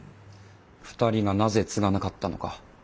２人がなぜ継がなかったのか。